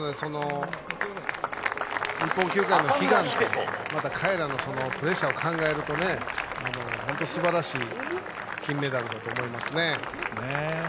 日本球界の悲願、彼らのプレッシャーを考えると、本当に素晴らしい金メダルだと思いますね。